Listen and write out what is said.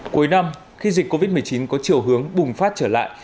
cuối năm khi dịch covid một mươi chín có chiều hướng bùng phát trở lại